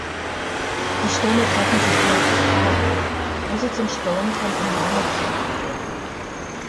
Die Stürme treffen sich bei Chicago, wo sie zum Sturm von enormer Kraft werden.